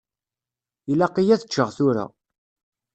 Ilaq-iyi ad ččeɣ tura.